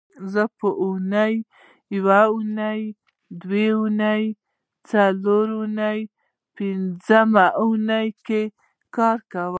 زه په اونۍ یونۍ دونۍ درېنۍ څلورنۍ او پبنځنۍ کې کار کوم